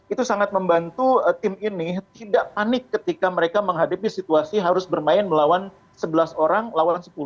itu sangat membantu tim ini tidak panik ketika mereka menghadapi situasi harus bermain melawan sebelas orang lawan sepuluh